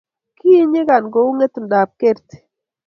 kii nyigan kouu ngetundat kertii